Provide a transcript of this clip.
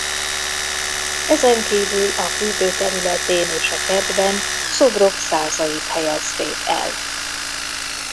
Ezenkívül a fürdő területén és a kertben szobrok százait helyezték el.